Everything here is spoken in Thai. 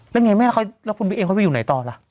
แล้วไงแล้วคุณวิเอ็มเขาไปอยู่ไหนต่อล่ะ